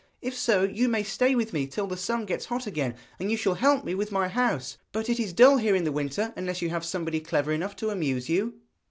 If so you may stay with me till the sun gets hot again, and you shall help me with my house. But it is dull here in the winter unless you have somebody clever enough to amuse you.'